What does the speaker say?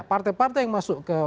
partai partai yang masuk ke